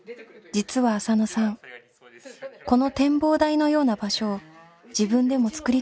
実は浅野さんこの展望台のような場所を自分でもつくりたいと考えていた。